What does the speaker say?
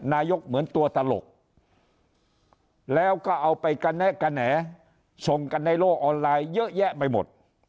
เหมือนตัวตลกแล้วก็เอาไปกระแนะกระแหน่ส่งกันในโลกออนไลน์เยอะแยะไปหมด